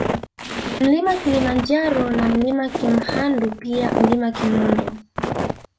Mlima Kilimanjaro na Mlima Kimhandu pia Mlima Kinondo